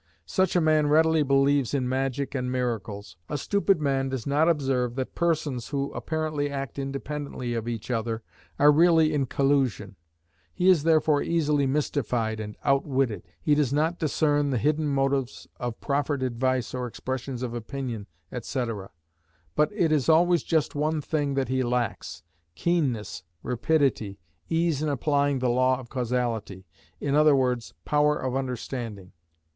Such a man readily believes in magic and miracles. A stupid man does not observe that persons, who apparently act independently of each other, are really in collusion; he is therefore easily mystified, and outwitted; he does not discern the hidden motives of proffered advice or expressions of opinion, &c. But it is always just one thing that he lacks—keenness, rapidity, ease in applying the law of causality, i.e., power of understanding.